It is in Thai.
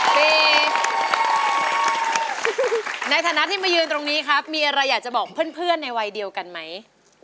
ปีในฐานะที่มายืนตรงนี้ครับมีอะไรอยากจะบอกเพื่อนในวัยเดียวกันไหม